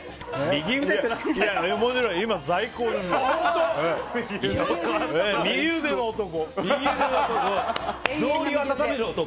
右腕の男。